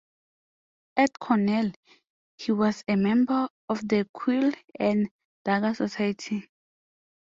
At Cornell, he was a member of the Quill and Dagger society.